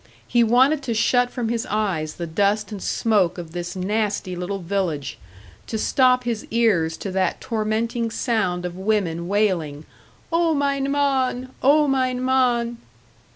He wanted to shut from his eyes the dust and smoke of this nasty little village; to stop his ears to that tormenting sound of women wailing: "O, mein Mann! O, mein Mann!"